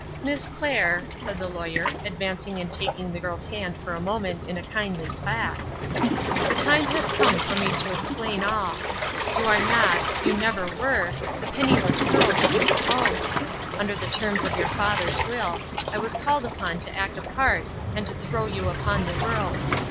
"Miss Clair," said the Lawyer, advancing and taking the girl's hand for a moment in a kindly clasp, "the time has come for me to explain all. You are not, you never were, the penniless girl that you suppose. Under the terms of your father's will, I was called upon to act a part and to throw you upon the world.